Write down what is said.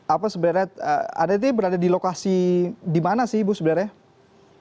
apa sebenarnya adt berada di lokasi di mana sih ibu sebenarnya